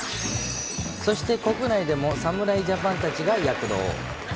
そして国内でも侍ジャパンたちが躍動。